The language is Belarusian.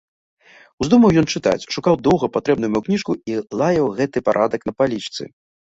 Уздумаў ён чытаць, шукаў доўга патрэбную яму кніжку і лаяў гэты парадак на палічцы.